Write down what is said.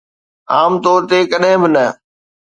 عام طور تي ڪڏهن به نه.